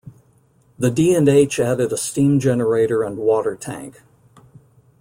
The D and H added a steam generator and water tank.